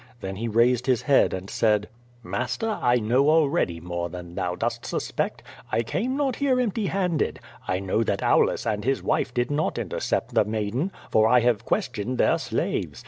Then he raised his head and said: "Master, I know already more than thou dost suspect. I came not here empty handed. I know that Aulus and his wife did not intercept the maiden, for I have questioned their slaves.